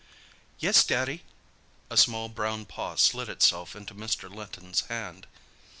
"Yes, Daddy." A small brown paw slid itself into Mr. Linton's hand.